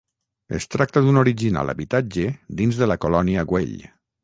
Es tracta d'un original habitatge dins de la colònia Güell.